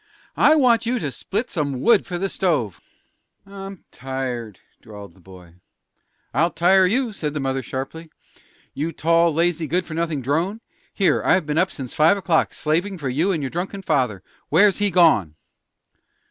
"I want you to split some wood for the stove." "I'm tired," drawled the boy. "I'll tire you!" said the mother, sharply. "You tall, lazy, good for nothing drone! Here I've been up since five o'clock, slavin' for you and your drunken father. Where's he gone?"